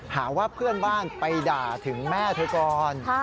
หาว่าเพื่อนบ้านไปด่าถึงแม่เธอก่อน